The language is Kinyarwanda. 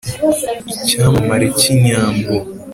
Icyamamare cy' inyambo,